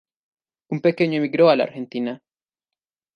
De pequeño emigró a la Argentina.